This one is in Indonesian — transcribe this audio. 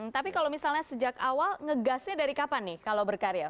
tapi kalau misalnya sejak awal ngegasnya dari kapan nih kalau berkarya